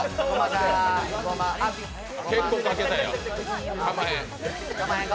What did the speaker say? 結構かけたやん。